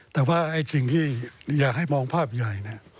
แต่ว่าจริงที่อยากให้มองภาพใหญ่